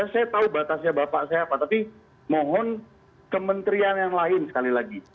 saya tahu batasnya bapak siapa tapi mohon kementerian yang lain sekali lagi